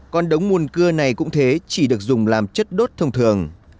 còn đống muôn cưa này cũng thế chỉ được dùng làm chất đốt thông thường